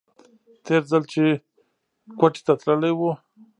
تېر ځل چې کوټې ته تللى و.